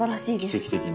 奇跡的に。